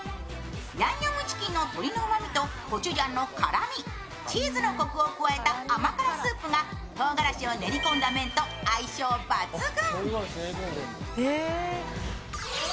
ヤンニョムチキンの鶏のうまみとコチュジャンの辛み、チーズのコクを加えた甘辛スープがとうがらしを練り込んだ麺と相性抜群。